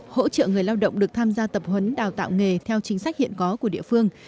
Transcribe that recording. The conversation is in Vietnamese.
hỗ trợ người lao động được tham gia tập huấn đào tạo nghề theo chính sách hiện có của địa phương